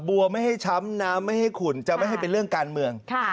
ไม่ให้ช้ำน้ำไม่ให้ขุ่นจะไม่ให้เป็นเรื่องการเมือง